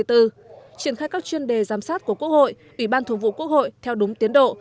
triển khai các chuyên đề giám sát của quốc hội ủy ban thường vụ quốc hội theo đúng tiến độ